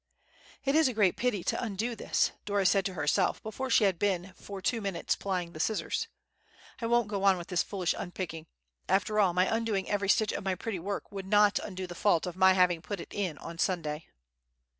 "It is a great pity to undo this," Dora said to herself before she had been for two minutes plying the scissors. "I won't go on with this foolish unpicking. After all, my undoing every stitch of my pretty work would not undo the fault of my having put it in on Sunday."